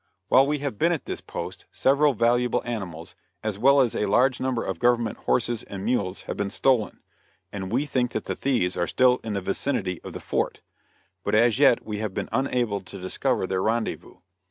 While we have been at this post several valuable animals, as well as a large number of government horses and mules have been stolen, and we think that the thieves are still in the vicinity of the fort, but as yet we have been unable to discover their rendezvous.